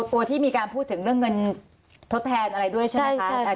ตัวที่มีการพูดถึงเรื่องเงินทดแทนอะไรด้วยใช่ไหมคะ